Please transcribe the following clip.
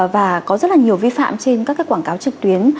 và có rất là nhiều vi phạm trên các cái quảng cáo trực tuyến